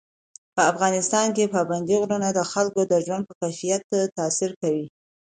په افغانستان کې پابندی غرونه د خلکو د ژوند په کیفیت تاثیر کوي.